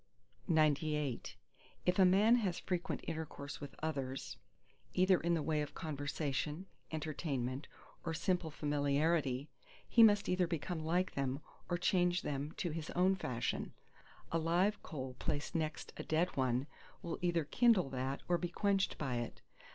XCIX If a man has frequent intercourse with others, either in the way of conversation, entertainment, or simple familiarity, he must either become like them, or change them to his own fashion. A live coal placed next a dead one will either kindle that or be quenched by it.